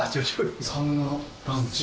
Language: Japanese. サウナラウンジ。